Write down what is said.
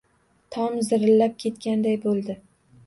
Tom zirillab ketgandayin bo‘ldi.